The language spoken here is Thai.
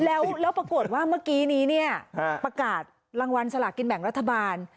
แล้วปรากฏว่าเมื่อกี้นี้เนี่ยประกาศรางวัลสลากินแบ่งรัฐบาล